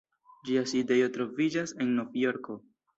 Ĝia sidejo troviĝas en Novjorko.